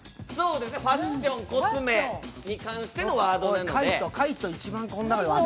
ファッション・コスメに関してのワードなので。